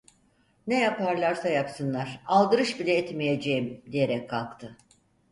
"Ne yaparlarsa yapsınlar, aldırış bile etmeyeceğim!" diyerek kalktı.